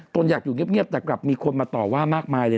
ตนอยากอยู่เงียบแต่กลับมีคนมาต่อว่ามากมายเลย